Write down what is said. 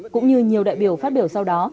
cũng như nhiều đại biểu phát biểu sau đó